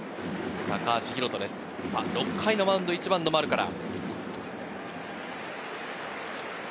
６回のマウンドは１番の丸から。